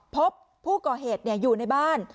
พบผู้ก่อเหตุอยู่ในบ้าน